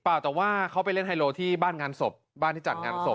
แต่ว่าเขาไปเล่นไฮโลที่บ้านงานศพบ้านที่จัดงานศพ